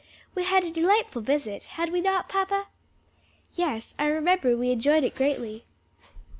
We had a delightful visit, had we not, papa?" "Yes, I remember we enjoyed it greatly."